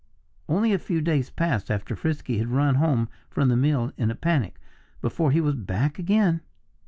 Only a few days passed after Frisky had run home from the mill in a panic, before he was back again.